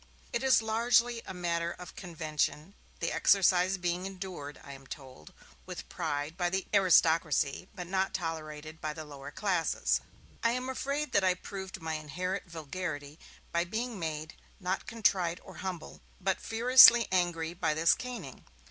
It is largely a matter of convention, the exercise being endured (I am told) with pride by the infants of our aristocracy, but not tolerated by the lower classes. I am afraid that I proved my inherent vulgarity by being made, not contrite or humble, but furiously angry by this caning.